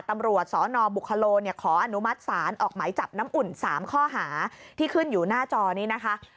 ตำรวจสนบุคโลขออนุมัติศาลออกหมายจับน้ำอุ่น๓ข้อหาที่ขึ้นอยู่หน้าจอนี้นะคะ